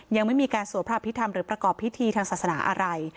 ยังไม่มีการสวดพระพิธรรมหรือประกอบพิธีทางศาสนาอะไร